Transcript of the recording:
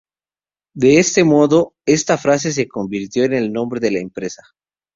De este modo esta frase se convirtió en el nombre de la empresa.